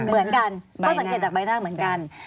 เหมือนกันก็สังเกตจากใบหน้าเหมือนกัน